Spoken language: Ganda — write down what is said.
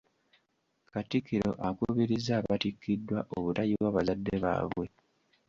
Katikkiro akubirizza abatikkiddwa obutayiwa bazzadde baabwe.